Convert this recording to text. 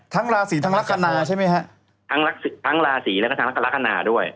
ทั้งราศีทั้งรักษณะใช่ไหมฮะทั้งรักษิทั้งราศีแล้วก็ทั้งรักษณะด้วย